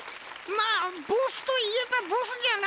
まあボスといえばボスじゃな！